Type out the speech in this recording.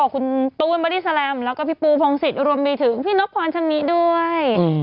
คุณตูนบอดี้แลมแล้วก็พี่ปูพงศิษย์รวมไปถึงพี่นกพรชำนิด้วย